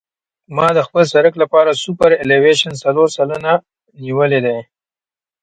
ما د خپل سرک لپاره سوپرایلیویشن څلور سلنه نیولی دی